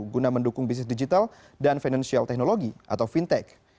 guna mendukung bisnis digital dan financial technology atau fintech